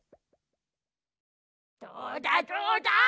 どうだどうだ？